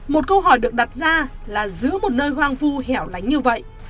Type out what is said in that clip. một câu hỏi được đặt ra là giữ một nơi hoang vu hẻo lánh như vậy